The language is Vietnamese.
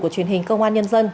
của truyền hình công an nhân dân